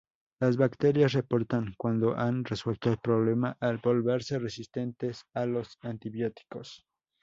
Las bacterias reportan cuando han resuelto el problema al volverse resistentes a los antibióticos.